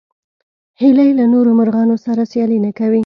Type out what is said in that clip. هیلۍ له نورو مرغانو سره سیالي نه کوي